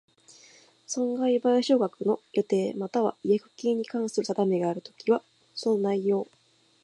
損害賠償額の予定又は違約金に関する定めがあるときは、その内容